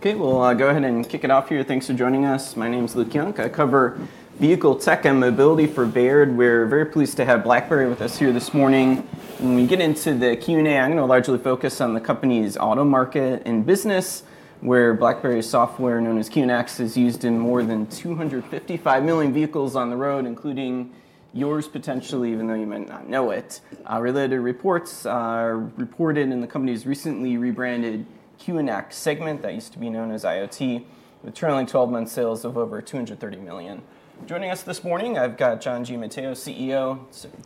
OK, we'll go ahead and kick it off here. Thanks for joining us. My name is Luke Junk. I cover vehicle tech and mobility for Baird. We're very pleased to have BlackBerry with us here this morning. When we get into the Q&A, I'm going to largely focus on the company's auto market and business, where BlackBerry software known as QNX is used in more than 255 million vehicles on the road, including yours potentially, even though you might not know it. Related reports are reported in the company's recently rebranded QNX segment that used to be known as IoT, with trailing 12-month sales of over $230 million. Joining us this morning, I've got John Giamatteo, CEO,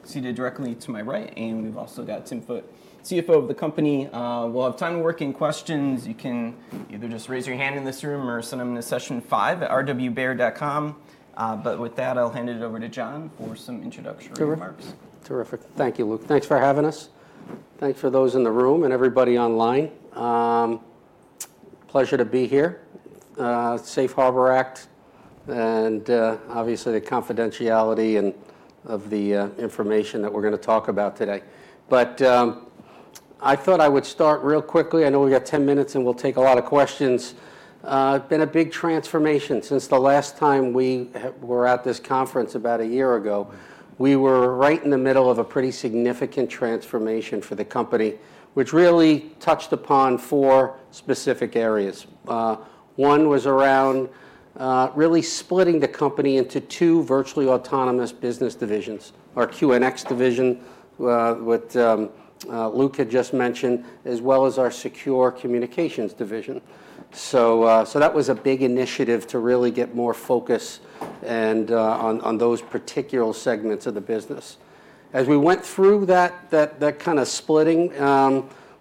seated directly to my right. And we've also got Tim Foote, CFO of the company. We'll have time to work in questions. You can either just raise your hand in this room or send them to session5@rwbaird.com. With that, I'll hand it over to John for some introductory remarks. Terrific. Thank you, Luke. Thanks for having us. Thanks for those in the room and everybody online. Pleasure to be here. Safe Harbor Act and obviously the confidentiality of the information that we're going to talk about today. I thought I would start real quickly. I know we've got 10 minutes and we'll take a lot of questions. It's been a big transformation since the last time we were at this conference about a year ago. We were right in the middle of a pretty significant transformation for the company, which really touched upon four specific areas. One was around really splitting the company into two virtually autonomous business divisions, our QNX division, what Luke had just mentioned, as well as our secure communications division. That was a big initiative to really get more focus on those particular segments of the business. As we went through that kind of splitting,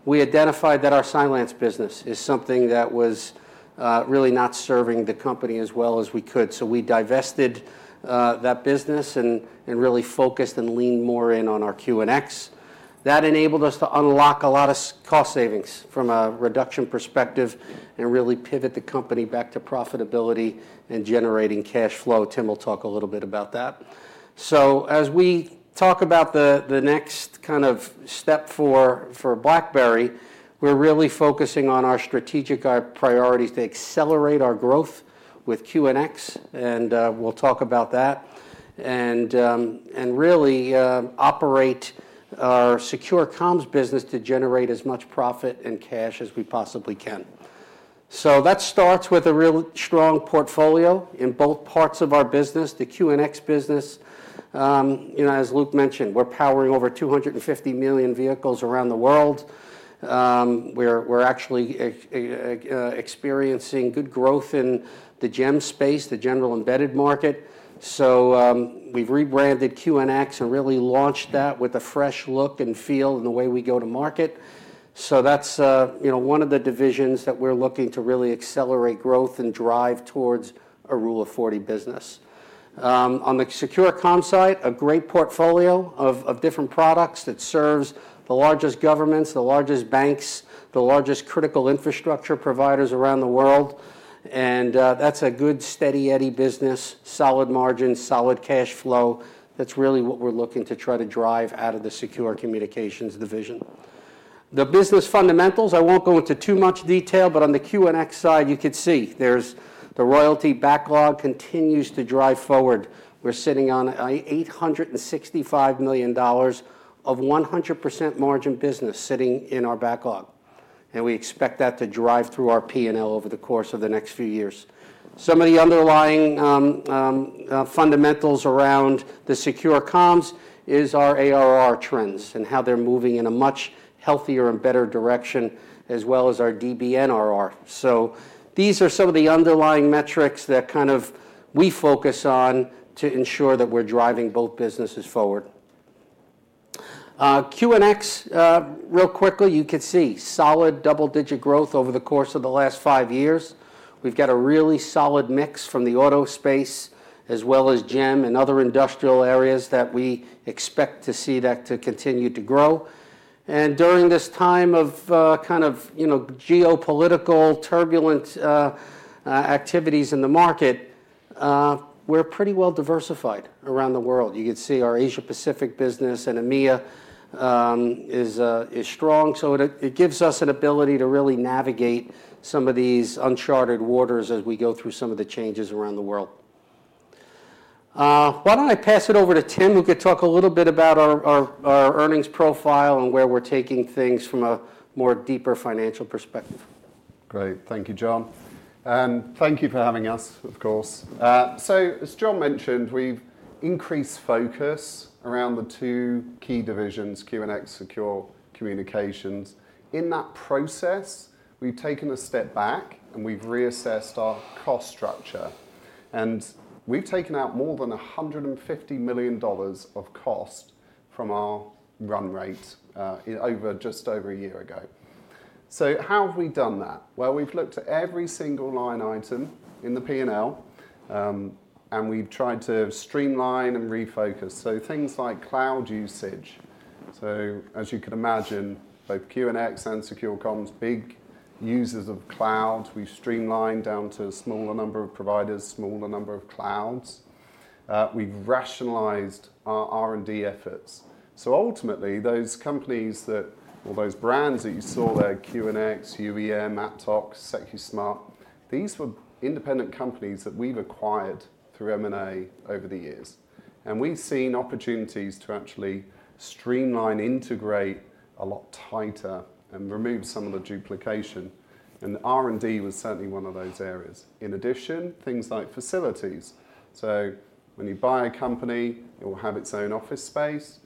we identified that our Cylance business is something that was really not serving the company as well as we could. We divested that business and really focused and leaned more in on our QNX. That enabled us to unlock a lot of cost savings from a reduction perspective and really pivot the company back to profitability and generating cash flow. Tim will talk a little bit about that. As we talk about the next kind of step for BlackBerry, we're really focusing on our strategic priorities to accelerate our growth with QNX. We'll talk about that and really operate our secure comms business to generate as much profit and cash as we possibly can. That starts with a real strong portfolio in both parts of our business, the QNX business. As Luke mentioned, we're powering over 250 million vehicles around the world. We're actually experiencing good growth in the GEM space, the general embedded market. We've rebranded QNX and really launched that with a fresh look and feel in the way we go to market. That's one of the divisions that we're looking to really accelerate growth and drive towards a Rule of 40 business. On the secure comm side, a great portfolio of different products that serves the largest governments, the largest banks, the largest critical infrastructure providers around the world. That's a good, steady, eddy business, solid margins, solid cash flow. That's really what we're looking to try to drive out of the secure communications division. The business fundamentals, I won't go into too much detail, but on the QNX side, you could see there's the royalty backlog continues to drive forward. We're sitting on $865 million of 100% margin business sitting in our backlog. We expect that to drive through our P&L over the course of the next few years. Some of the underlying fundamentals around the secure comms is our ARR trends and how they're moving in a much healthier and better direction, as well as our DBNRR. These are some of the underlying metrics that kind of we focus on to ensure that we're driving both businesses forward. QNX, real quickly, you could see solid double-digit growth over the course of the last five years. We've got a really solid mix from the auto space, as well as GEM and other industrial areas that we expect to see that to continue to grow. During this time of kind of geopolitical turbulent activities in the market, we're pretty well diversified around the world. You could see our Asia-Pacific business and EMEA is strong. It gives us an ability to really navigate some of these uncharted waters as we go through some of the changes around the world. Why do I not pass it over to Tim, who could talk a little bit about our earnings profile and where we are taking things from a more deeper financial perspective. Great. Thank you, John. Thank you for having us, of course. As John mentioned, we've increased focus around the two key divisions, QNX, secure communications. In that process, we've taken a step back and we've reassessed our cost structure. We've taken out more than $150 million of cost from our run rate just over a year ago. How have we done that? We've looked at every single line item in the P&L, and we've tried to streamline and refocus. Things like cloud usage. As you can imagine, both QNX and secure comms, big users of cloud. We've streamlined down to a smaller number of providers, smaller number of clouds. We've rationalized our R&D efforts. Ultimately, those companies that, or those brands that you saw there, QNX, UEM, Matrox, Secusmart, these were independent companies that we've acquired through M&A over the years. We have seen opportunities to actually streamline, integrate a lot tighter, and remove some of the duplication. R&D was certainly one of those areas. In addition, things like facilities. When you buy a company, it will have its own office space.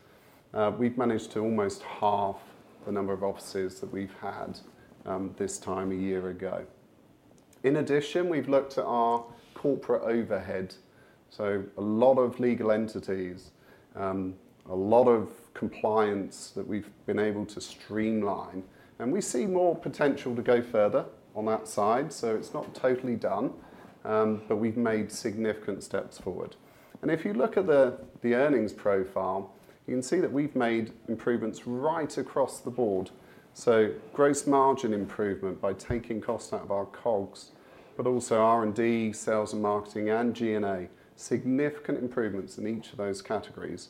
We have managed to almost halve the number of offices that we had this time a year ago. In addition, we have looked at our corporate overhead. A lot of legal entities, a lot of compliance that we have been able to streamline. We see more potential to go further on that side. It is not totally done, but we have made significant steps forward. If you look at the earnings profile, you can see that we have made improvements right across the board. Gross margin improvement by taking costs out of our COGS, but also R&D, sales and marketing, and G&A. Significant improvements in each of those categories.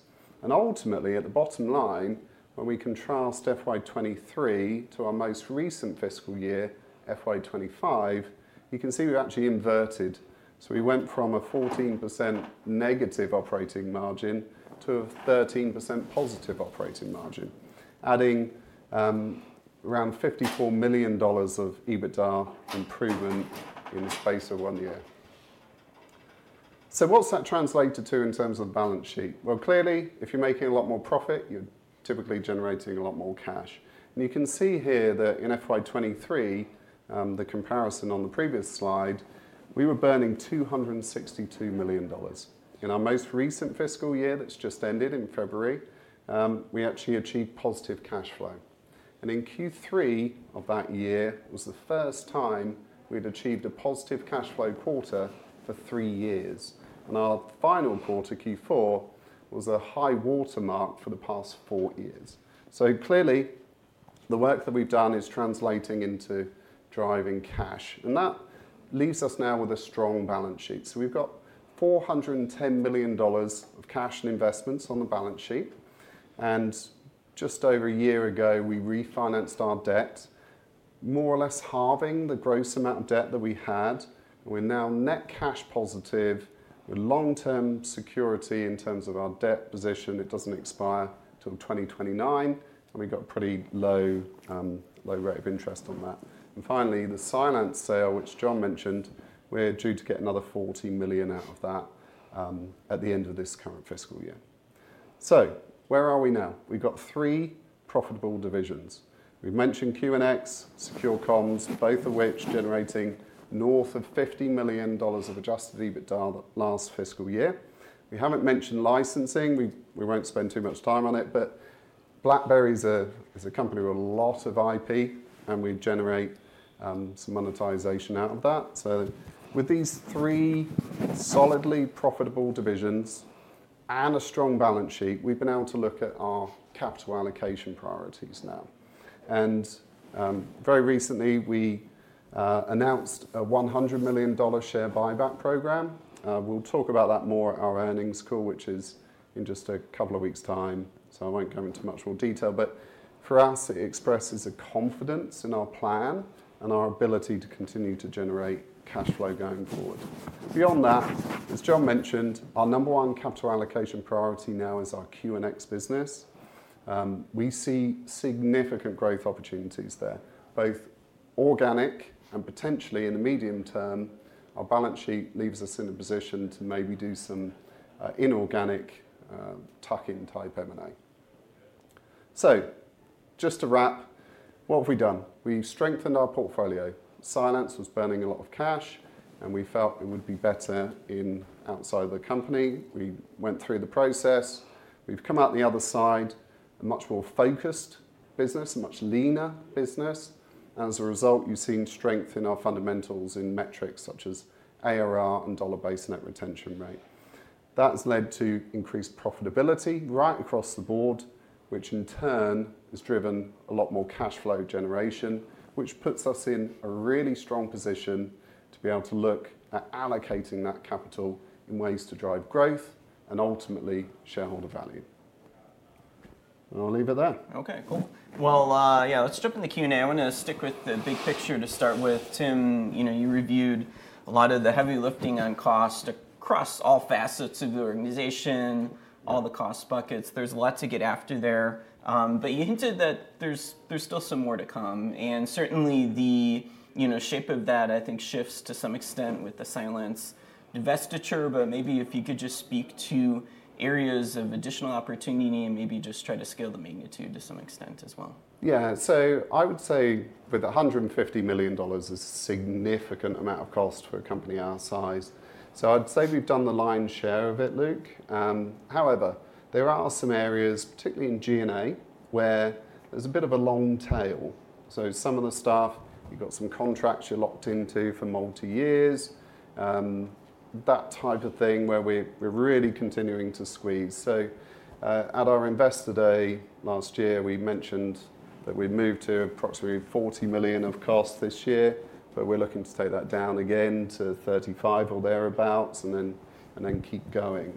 Ultimately, at the bottom line, when we contrast FY2023 to our most recent fiscal year, FY2025, you can see we've actually inverted. We went from a 14% negative operating margin to a 13% positive operating margin, adding around $54 million of EBITDA improvement in the space of one year. What's that translated to in terms of balance sheet? Clearly, if you're making a lot more profit, you're typically generating a lot more cash. You can see here that in FY2023, the comparison on the previous slide, we were burning $262 million. In our most recent fiscal year that's just ended in February, we actually achieved positive cash flow. In Q3 of that year, it was the first time we'd achieved a positive cash flow quarter for three years. Our final quarter, Q4, was a high watermark for the past four years. Clearly, the work that we've done is translating into driving cash. That leaves us now with a strong balance sheet. We've got $410 million of cash and investments on the balance sheet. Just over a year ago, we refinanced our debt, more or less halving the gross amount of debt that we had. We're now net cash positive with long-term security in terms of our debt position. It does not expire until 2029. We've got a pretty low rate of interest on that. Finally, the Cylance sale, which John mentioned, we're due to get another $40 million out of that at the end of this current fiscal year. Where are we now? We've got three profitable divisions. We've mentioned QNX, secure comms, both of which generating north of $50 million of adjusted EBITDA last fiscal year. We haven't mentioned licensing. We won't spend too much time on it. But BlackBerry is a company with a lot of IP, and we generate some monetization out of that. With these three solidly profitable divisions and a strong balance sheet, we've been able to look at our capital allocation priorities now. Very recently, we announced a $100 million share buyback program. We'll talk about that more at our earnings call, which is in just a couple of weeks' time. I won't go into much more detail. For us, it expresses a confidence in our plan and our ability to continue to generate cash flow going forward. Beyond that, as John mentioned, our number one capital allocation priority now is our QNX business. We see significant growth opportunities there, both organic and potentially in the medium term. Our balance sheet leaves us in a position to maybe do some inorganic tucking type M&A. Just to wrap, what have we done? We have strengthened our portfolio. Cylance was burning a lot of cash, and we felt it would be better outside of the company. We went through the process. We have come out the other side, a much more focused business, a much leaner business. As a result, you have seen strength in our fundamentals in metrics such as ARR and dollar-based net retention rate. That has led to increased profitability right across the board, which in turn has driven a lot more cash flow generation, which puts us in a really strong position to be able to look at allocating that capital in ways to drive growth and ultimately shareholder value. I'll leave it there. OK, cool. Yeah, let's jump into Q&A. I want to stick with the big picture to start with. Tim, you reviewed a lot of the heavy lifting on cost across all facets of the organization, all the cost buckets. There's a lot to get after there. You hinted that there's still some more to come. Certainly, the shape of that, I think, shifts to some extent with the Cylance divestiture. Maybe if you could just speak to areas of additional opportunity and maybe just try to scale the magnitude to some extent as well. Yeah, so I would say with $150 million is a significant amount of cost for a company our size. I'd say we've done the lion's share of it, Luke. However, there are some areas, particularly in G&A, where there's a bit of a long tail. Some of the staff, you've got some contracts you're locked into for multi-years, that type of thing where we're really continuing to squeeze. At our investor day last year, we mentioned that we moved to approximately $40 million of cost this year. We're looking to take that down again to $35 million or thereabouts and then keep going.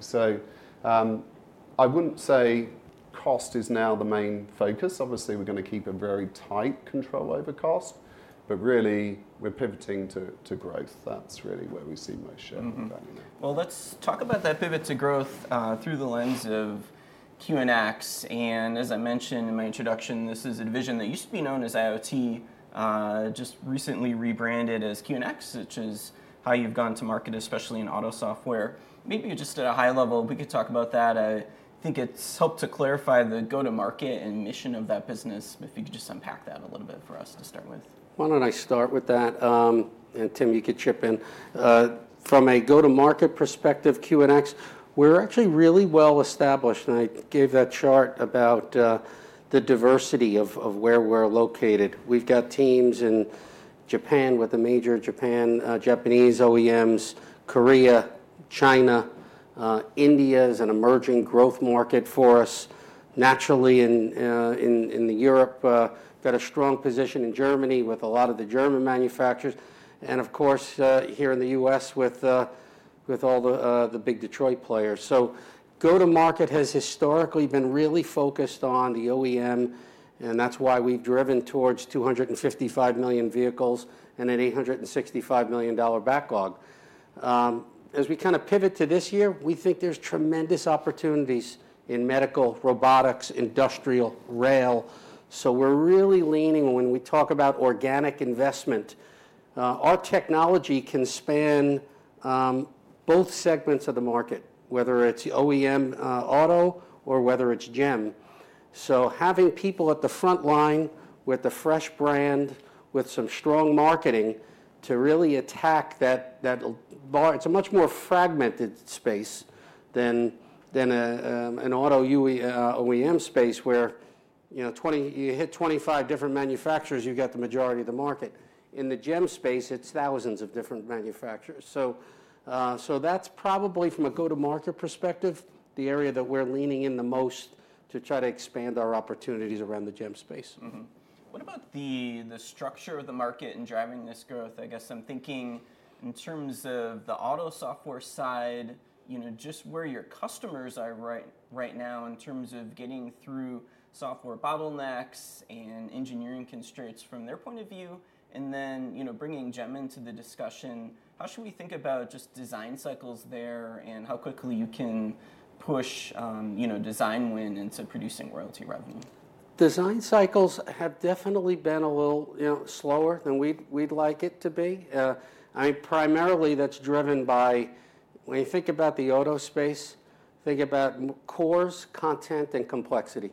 I wouldn't say cost is now the main focus. Obviously, we're going to keep a very tight control over cost. Really, we're pivoting to growth. That's really where we see most shareholder value. Let's talk about that pivot to growth through the lens of QNX. As I mentioned in my introduction, this is a division that used to be known as IoT, just recently rebranded as QNX, which is how you've gone to market, especially in auto software. Maybe just at a high level, we could talk about that. I think it's helped to clarify the go-to-market and mission of that business. If you could just unpack that a little bit for us to start with. Why don't I start with that? Tim, you could chip in. From a go-to-market perspective, QNX, we're actually really well established. I gave that chart about the diversity of where we're located. We've got teams in Japan with the major Japanese OEMs, Korea, China. India is an emerging growth market for us, naturally, in Europe. Got a strong position in Germany with a lot of the German manufacturers. Of course, here in the U.S. with all the big Detroit players. Go-to-market has historically been really focused on the OEM. That's why we've driven towards 255 million vehicles and an $865 million backlog. As we kind of pivot to this year, we think there's tremendous opportunities in medical, robotics, industrial, rail. We're really leaning when we talk about organic investment. Our technology can span both segments of the market, whether it's OEM auto or whether it's GEM. So having people at the front line with a fresh brand, with some strong marketing to really attack that, it's a much more fragmented space than an auto OEM space where you hit 25 different manufacturers, you've got the majority of the market. In the GEM space, it's thousands of different manufacturers. So that's probably from a go-to-market perspective, the area that we're leaning in the most to try to expand our opportunities around the GEM space. What about the structure of the market in driving this growth? I guess I'm thinking in terms of the auto software side, just where your customers are right now in terms of getting through software bottlenecks and engineering constraints from their point of view, and then bringing GEM into the discussion. How should we think about just design cycles there and how quickly you can push design win into producing royalty revenue? Design cycles have definitely been a little slower than we'd like it to be. I mean, primarily, that's driven by when you think about the auto space, think about cores, content, and complexity.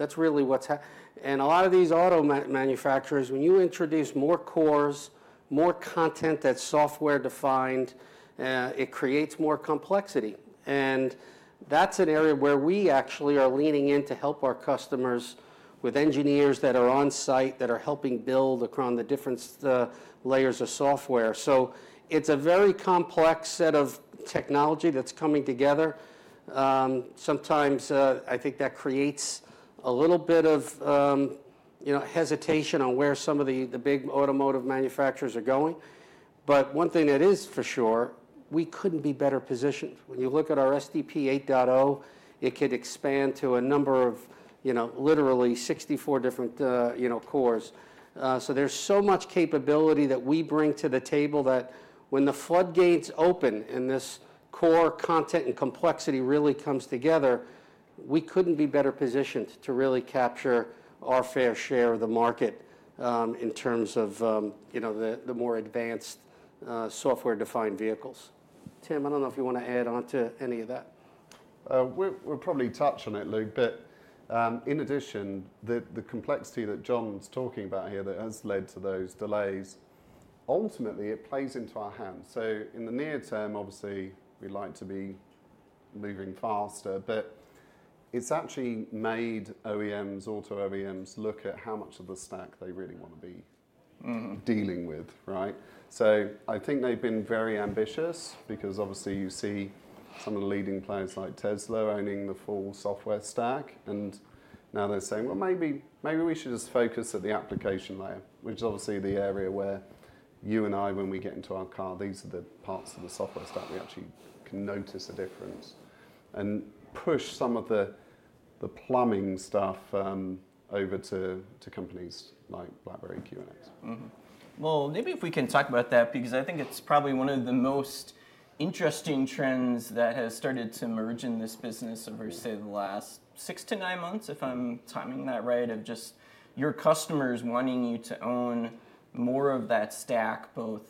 That's really what's happened. A lot of these auto manufacturers, when you introduce more cores, more content that's software-defined, it creates more complexity. That's an area where we actually are leaning in to help our customers with engineers that are on site that are helping build across the different layers of software. It's a very complex set of technology that's coming together. Sometimes, I think that creates a little bit of hesitation on where some of the big automotive manufacturers are going. One thing that is for sure, we couldn't be better positioned. When you look at our SDP 8.0, it could expand to a number of literally 64 different cores. There is so much capability that we bring to the table that when the floodgates open and this core, content, and complexity really comes together, we could not be better positioned to really capture our fair share of the market in terms of the more advanced software-defined vehicles. Tim, I do not know if you want to add on to any of that. We'll probably touch on it, Luke. In addition, the complexity that John's talking about here that has led to those delays, ultimately, it plays into our hands. In the near term, obviously, we'd like to be moving faster. It's actually made auto OEMs look at how much of the stack they really want to be dealing with, right? I think they've been very ambitious because obviously, you see some of the leading players like Tesla owning the full software stack. Now they're saying, well, maybe we should just focus at the application layer, which is obviously the area where you and I, when we get into our car, these are the parts of the software stack we actually can notice a difference and push some of the plumbing stuff over to companies like BlackBerry and QNX. Maybe if we can talk about that because I think it's probably one of the most interesting trends that has started to emerge in this business over, say, the last six to nine months, if I'm timing that right, of just your customers wanting you to own more of that stack, both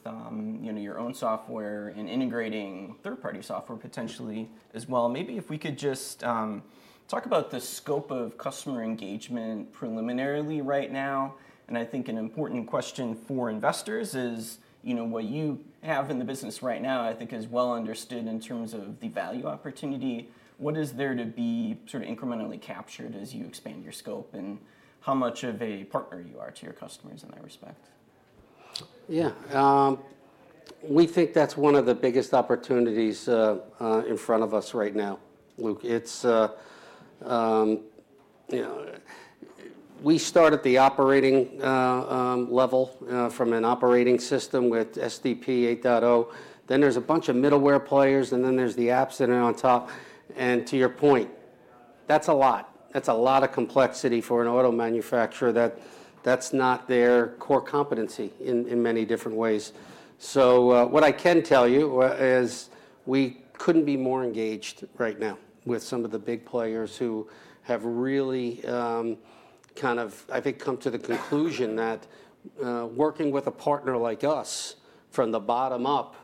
your own software and integrating third-party software potentially as well. Maybe if we could just talk about the scope of customer engagement preliminarily right now. I think an important question for investors is what you have in the business right now, I think, is well understood in terms of the value opportunity. What is there to be sort of incrementally captured as you expand your scope and how much of a partner you are to your customers in that respect? Yeah, we think that's one of the biggest opportunities in front of us right now, Luke. We start at the operating level from an operating system with SDP 8.0. Then there's a bunch of middleware players. Then there's the apps that are on top. To your point, that's a lot. That's a lot of complexity for an auto manufacturer that that's not their core competency in many different ways. What I can tell you is we couldn't be more engaged right now with some of the big players who have really kind of, I think, come to the conclusion that working with a partner like us from the bottom up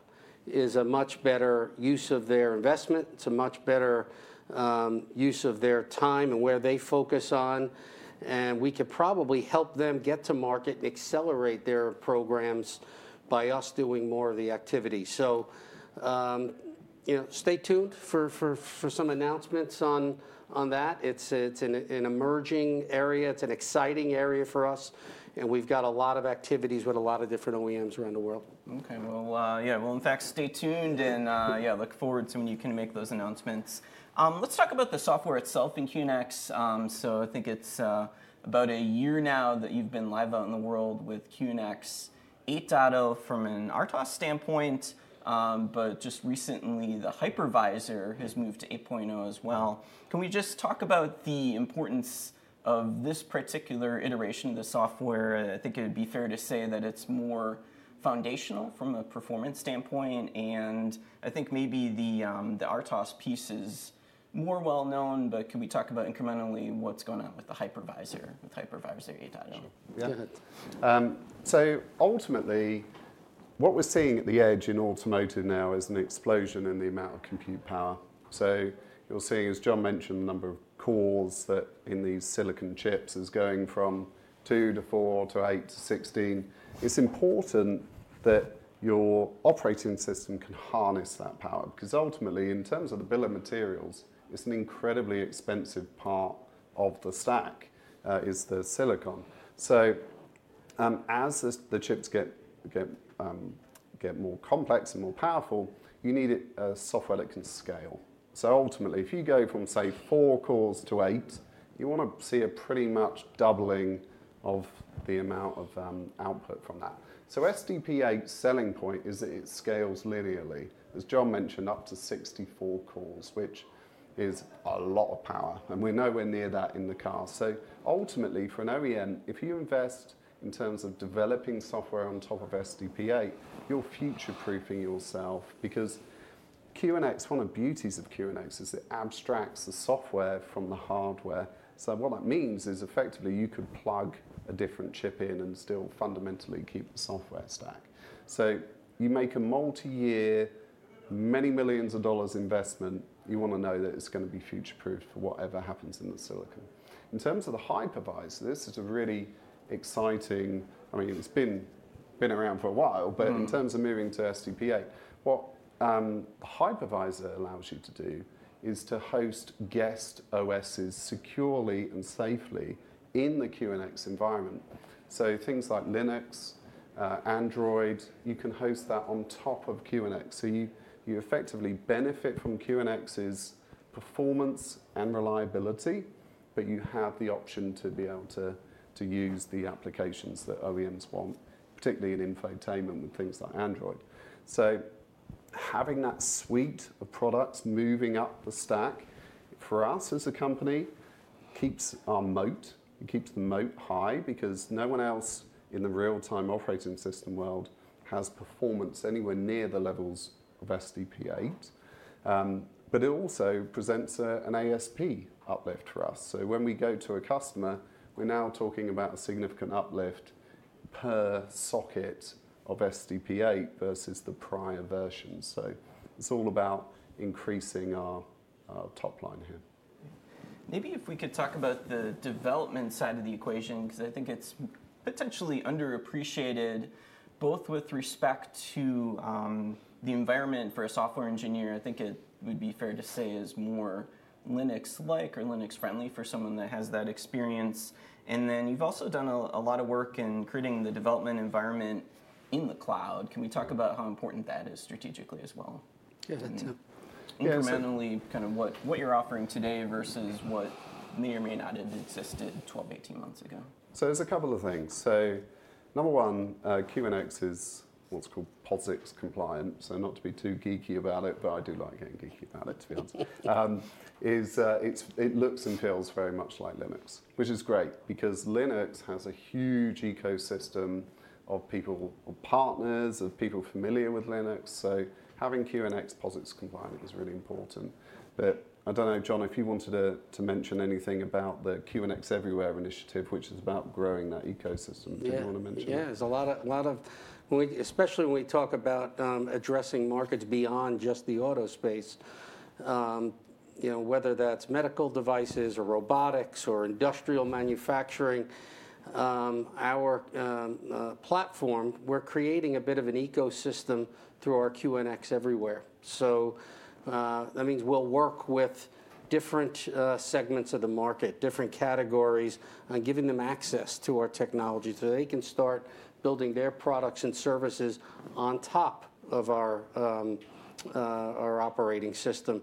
is a much better use of their investment. It's a much better use of their time and where they focus on. We could probably help them get to market and accelerate their programs by us doing more of the activity. Stay tuned for some announcements on that. It is an emerging area. It is an exciting area for us. We have got a lot of activities with a lot of different OEMs around the world. OK, yeah, in fact, stay tuned. Yeah, look forward to when you can make those announcements. Let's talk about the software itself in QNX. I think it's about a year now that you've been live out in the world with QNX 8.0 from an RTOS standpoint. Just recently, the Hypervisor has moved to 8.0 as well. Can we just talk about the importance of this particular iteration of the software? I think it would be fair to say that it's more foundational from a performance standpoint. I think maybe the RTOS piece is more well known. Can we talk about incrementally what's going on with the Hypervisor with Hypervisor 8.0? Yeah. So ultimately, what we're seeing at the edge in automotive now is an explosion in the amount of compute power. You're seeing, as John mentioned, the number of cores in these silicon chips is going from 2 to 4 to 8 to 16. It's important that your operating system can harness that power because ultimately, in terms of the bill of materials, an incredibly expensive part of the stack is the silicon. As the chips get more complex and more powerful, you need software that can scale. Ultimately, if you go from, say, four cores to eight, you want to see a pretty much doubling of the amount of output from that. SDP 8's selling point is that it scales linearly. As John mentioned, up to 64 cores, which is a lot of power. We know we're near that in the car. Ultimately, for an OEM, if you invest in terms of developing software on top of SDP 8, you're future-proofing yourself because QNX, one of the beauties of QNX, is it abstracts the software from the hardware. What that means is, effectively, you could plug a different chip in and still fundamentally keep the software stack. You make a multi-year, many millions of dollars investment, you want to know that it's going to be future-proofed for whatever happens in the silicon. In terms of the Hypervisor, this is a really exciting—I mean, it's been around for a while. In terms of moving to SDP 8, what the Hypervisor allows you to do is to host guest OSs securely and safely in the QNX environment. Things like Linux, Android, you can host that on top of QNX. You effectively benefit from QNX's performance and reliability. You have the option to be able to use the applications that OEMs want, particularly in infotainment with things like Android. Having that suite of products moving up the stack for us as a company keeps our moat. It keeps the moat high because no one else in the real-time operating system world has performance anywhere near the levels of SDP 8. It also presents an ASP uplift for us. When we go to a customer, we're now talking about a significant uplift per socket of SDP 8 versus the prior version. It's all about increasing our top line here. Maybe if we could talk about the development side of the equation because I think it's potentially underappreciated both with respect to the environment for a software engineer. I think it would be fair to say is more Linux-like or Linux-friendly for someone that has that experience. You have also done a lot of work in creating the development environment in the cloud. Can we talk about how important that is strategically as well? Yeah, that's it. Incrementally kind of what you're offering today versus what may or may not have existed 12, 18 months ago. There's a couple of things. Number one, QNX is what's called POSIX compliant. Not to be too geeky about it, but I do like getting geeky about it, to be honest. It looks and feels very much like Linux, which is great because Linux has a huge ecosystem of people, of partners, of people familiar with Linux. Having QNX POSIX compliant is really important. I don't know, John, if you wanted to mention anything about the QNX Everywhere initiative, which is about growing that ecosystem. Did you want to mention it? Yeah, there's a lot of, especially when we talk about addressing markets beyond just the auto space, whether that's medical devices or robotics or industrial manufacturing, our platform, we're creating a bit of an ecosystem through our QNX Everywhere. That means we'll work with different segments of the market, different categories, and giving them access to our technology so they can start building their products and services on top of our operating system.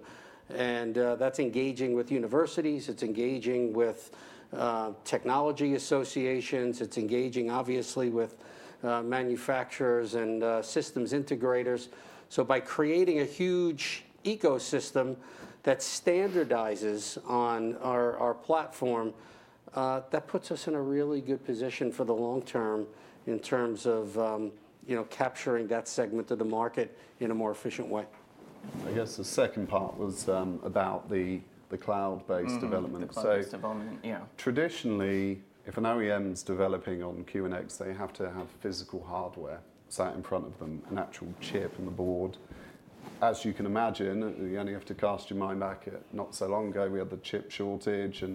That's engaging with universities. It's engaging with technology associations. It's engaging, obviously, with manufacturers and systems integrators. By creating a huge ecosystem that standardizes on our platform, that puts us in a really good position for the long term in terms of capturing that segment of the market in a more efficient way. I guess the second part was about the cloud-based development. Cloud-based development, yeah. Traditionally, if an OEM's developing on QNX, they have to have physical hardware sat in front of them, an actual chip on the board. As you can imagine, you only have to cast your mind back at not so long ago, we had the chip shortage. It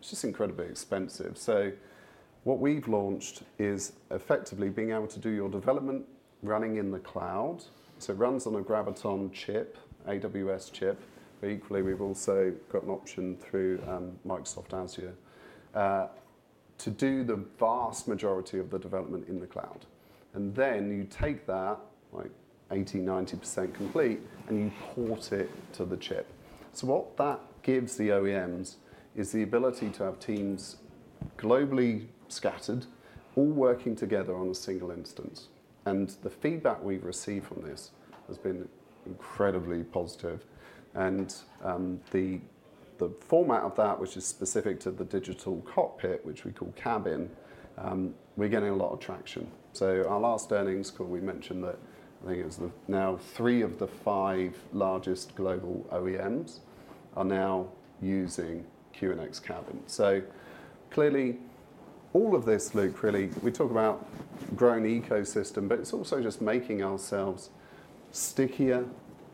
is just incredibly expensive. What we have launched is effectively being able to do your development running in the cloud. It runs on a Graviton chip, AWS chip. Equally, we have also got an option through Microsoft Azure to do the vast majority of the development in the cloud. You take that like 80%-90% complete, and you port it to the chip. What that gives the OEMs is the ability to have teams globally scattered all working together on a single instance. The feedback we have received from this has been incredibly positive. The format of that, which is specific to the digital cockpit, which we call Cabin, we're getting a lot of traction. Our last earnings call, we mentioned that I think it was now three of the five largest global OEMs are now using QNX Cabin. Clearly, all of this, Luke, really, we talk about growing the ecosystem. It is also just making ourselves stickier,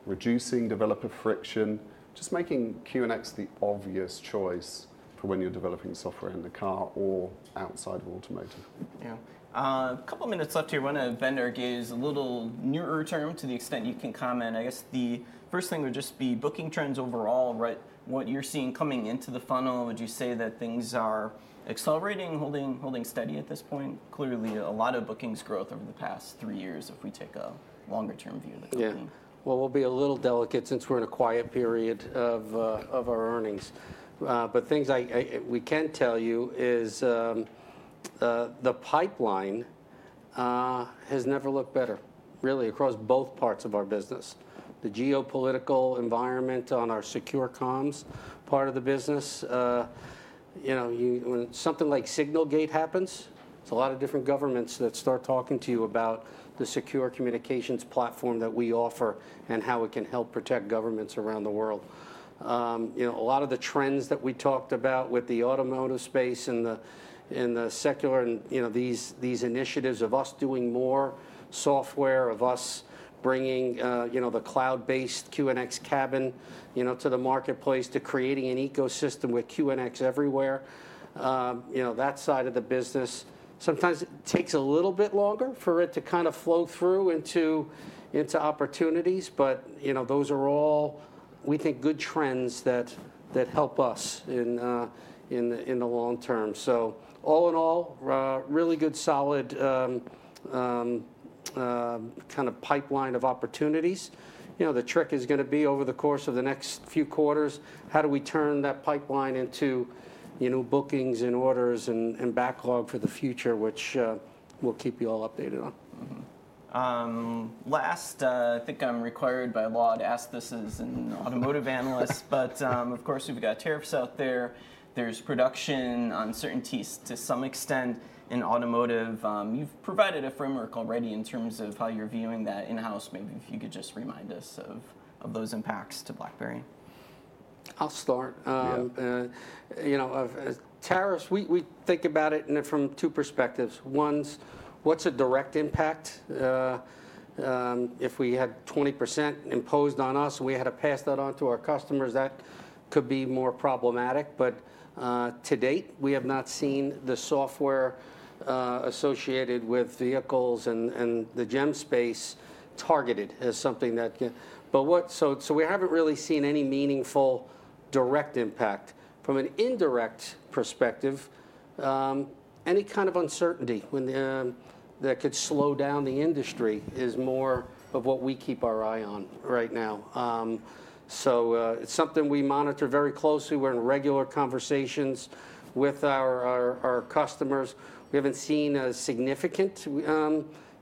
reducing developer friction, just making QNX the obvious choice for when you're developing software in the car or outside of automotive. Yeah, a couple of minutes left. Do you want to maybe give a little nearer term to the extent you can comment? I guess the first thing would just be booking trends overall, right? What you're seeing coming into the funnel, would you say that things are accelerating, holding steady at this point? Clearly, a lot of bookings growth over the past three years if we take a longer-term view of the company. Yeah, we'll be a little delicate since we're in a quiet period of our earnings. The things we can tell you is the pipeline has never looked better, really, across both parts of our business, the geopolitical environment on our secure comms part of the business. When something like Signalgate happens, it's a lot of different governments that start talking to you about the secure communications platform that we offer and how it can help protect governments around the world. A lot of the trends that we talked about with the automotive space and the secular and these initiatives of us doing more software, of us bringing the cloud-based QNX Cabin to the marketplace, to creating an ecosystem with QNX Everywhere, that side of the business. Sometimes it takes a little bit longer for it to kind of flow through into opportunities. Those are all, we think, good trends that help us in the long term. All in all, really good, solid kind of pipeline of opportunities. The trick is going to be over the course of the next few quarters, how do we turn that pipeline into bookings and orders and backlog for the future, which we'll keep you all updated on. Last, I think I'm required by law to ask this as an automotive analyst. Of course, we've got tariffs out there. There's production uncertainties to some extent in automotive. You've provided a framework already in terms of how you're viewing that in-house. Maybe if you could just remind us of those impacts to BlackBerry. I'll start. Tariffs, we think about it from two perspectives. One's, what's a direct impact? If we had 20% imposed on us and we had to pass that on to our customers, that could be more problematic. To date, we have not seen the software associated with vehicles and the GEM space targeted as something that. We haven't really seen any meaningful direct impact. From an indirect perspective, any kind of uncertainty that could slow down the industry is more of what we keep our eye on right now. It is something we monitor very closely. We're in regular conversations with our customers. We haven't seen a significant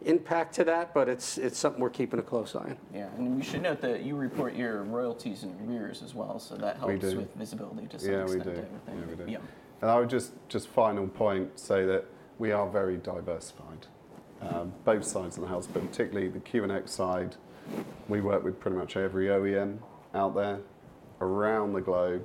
impact to that. It is something we're keeping a close eye on. Yeah, and we should note that you report your royalties in arrears as well. That helps with visibility to some extent. Yeah, we do. I would just, just final point, say that we are very diversified, both sides of the house. Particularly the QNX side, we work with pretty much every OEM out there around the globe.